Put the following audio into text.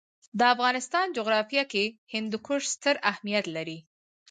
د افغانستان جغرافیه کې هندوکش ستر اهمیت لري.